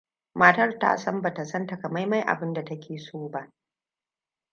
Matar ta san ba ta san takamaiman abinda ta ke so ba.